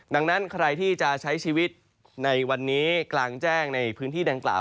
ดังนั้นใครที่จะใช้ชีวิตในวันนี้กลางแจ้งในพื้นที่ดังกล่าว